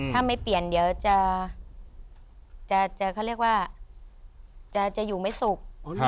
ถ้าไม่เปลี่ยนเดี๋ยวจะเขาเรียกว่าจะอยู่ไม่สุข